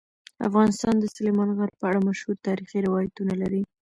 افغانستان د سلیمان غر په اړه مشهور تاریخی روایتونه لري.